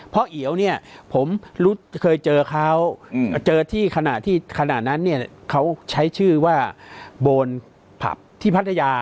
เอียวเนี่ยผมเคยเจอเขาเจอที่ขณะที่ขณะนั้นเนี่ยเขาใช้ชื่อว่าโบนผับที่พัทยา